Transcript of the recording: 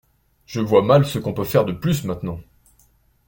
Je vois mal ce qu’on peut faire de plus maintenant.